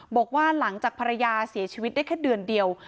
บอกว่าหลังจากภรรยาเสียชีวิตได้แค่เดือนเดียว